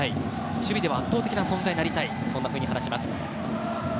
守備では圧倒的な存在になりたいと話します。